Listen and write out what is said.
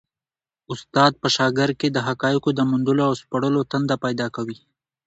استاد په شاګرد کي د حقایقو د موندلو او سپړلو تنده پیدا کوي.